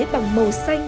bằng màu xanh